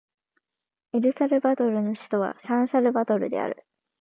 エルサルバドルの首都はサンサルバドルである